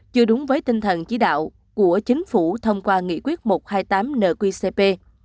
chưa đúng với tinh thần chỉ đạo của chính phủ thông qua nghị quyết một trăm hai mươi tám nqcp